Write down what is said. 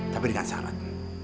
tapi dengan syarat